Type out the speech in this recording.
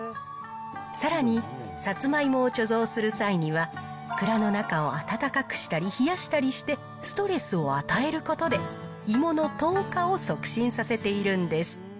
さらに、さつまいもを貯蔵する際には、蔵の中を暖かくしたり冷やしたりして、ストレスを与えることで、芋の糖化を促進させているんです。